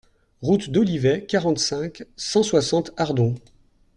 Route d'Olivet, quarante-cinq, cent soixante Ardon